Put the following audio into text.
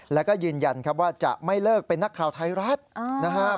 แล้วก็ยืนยันครับว่าจะไม่เลิกเป็นนักข่าวไทยรัฐนะครับ